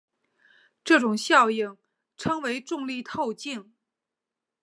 这种效应称为重力透镜。